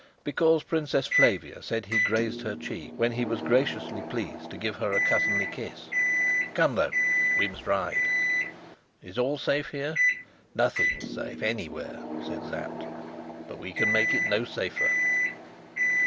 "Because Princess Flavia said he grazed her cheek when he was graciously pleased to give her a cousinly kiss. Come though, we must ride." "Is all safe here?" "Nothing's safe anywhere," said Sapt, "but we can make it no safer."